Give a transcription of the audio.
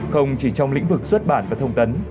không chỉ trong lĩnh vực xuất bản và thông tấn